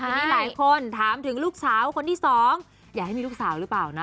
ทีนี้หลายคนถามถึงลูกสาวคนที่สองอยากให้มีลูกสาวหรือเปล่านะ